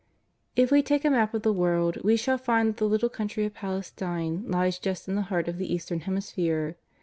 If we take a map of the world we shall find that the little country of Palestine lies just in the heart of the Eastern hemisphere.